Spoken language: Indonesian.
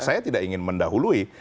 saya tidak ingin mendahului